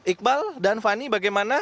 iqbal dan fanny bagaimana